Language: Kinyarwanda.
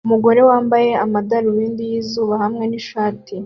Umugore wambaye amadarubindi yizuba hamwe nishati